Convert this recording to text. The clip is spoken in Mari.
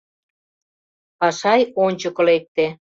— Пашай ончыко лекте.